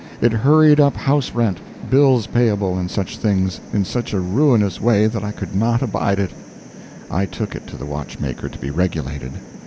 It hurried up house rent, bills payable, and such things, in such a ruinous way that I could not abide it. I took it to the watchmaker to be regulated.